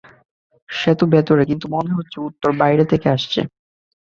সেতো ভেতরে, কিন্তু মনে হচ্ছে উত্তর বাইরে থেকে আসছে।